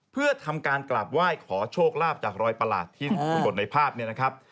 เพื่อทำการกราบไหว้ขอโชคลาภจากรอยประหลาดที่ปรากฏในภาพเนี่ยนะครับ